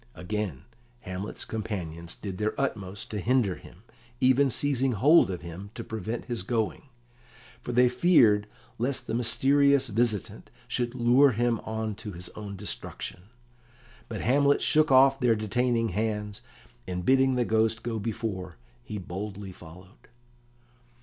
Again Hamlet's companions did their utmost to hinder him, even seizing hold of him to prevent his going, for they feared lest the mysterious visitant should lure him on to his own destruction. But Hamlet shook off their detaining hands, and, bidding the Ghost go before, he boldly followed.